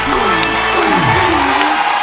ได้ครับ